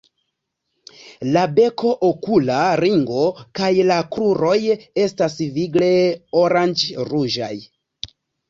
La beko, okula ringo kaj la kruroj estas vigle oranĝ-ruĝaj.